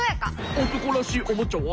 おとこらしいおもちゃは？